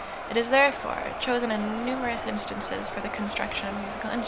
It is, therefore, chosen in numerous instances for the construction of musical instruments.